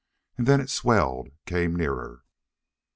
And then it swelled, came nearer.